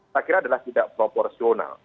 saya kira adalah tidak proporsional